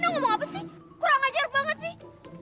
wih ini ngomong apa sih kurang ajar banget sih